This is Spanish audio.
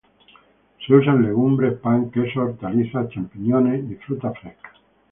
Se usan legumbres, pan, queso, hortalizas, champiñones y fruta fresca.